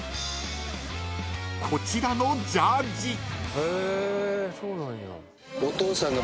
［こちらのジャージ］